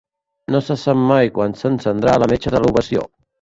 No se sap mai quan s'encendrà la metxa de l'ovació.